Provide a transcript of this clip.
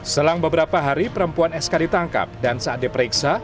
selang beberapa hari perempuan sk ditangkap dan saat diperiksa